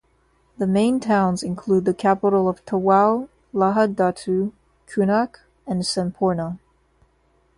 The main towns include the capital of Tawau, Lahad Datu, Kunak and Semporna.